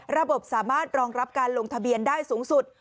ระบบสามารถรองรับการลงทะเบียนได้สูงสุด